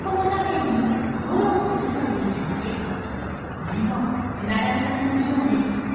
これもつながるための機能です。